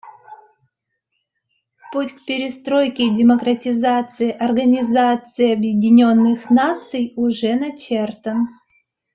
Путь к перестройке и демократизации Организации Объединенных Наций уже начертан.